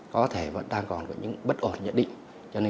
có thể đang còn có những bất ổn